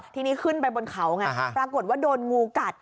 ทีนี้ขึ้นไปบนเขาไงปรากฏว่าโดนงูกัด